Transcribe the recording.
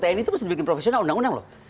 tni itu mesti bikin profesional undang undang lho